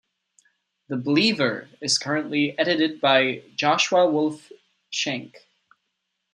"The Believer" is currently edited by Joshua Wolf Shenk.